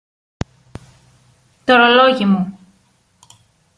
Τ' ωρολόγι μου!